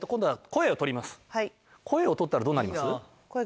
声を取ったらどうなります？